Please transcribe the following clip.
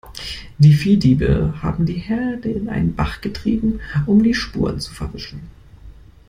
Die Viehdiebe haben die Herde in einen Bach getrieben, um die Spuren zu verwischen.